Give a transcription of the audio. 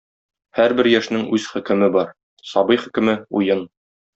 Һәрбер яшьнең үз хөкеме бар: сабый хөкеме — уен.